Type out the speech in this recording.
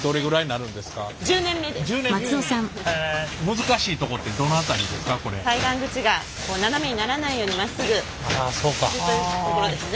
難しいとこってどの辺りですか？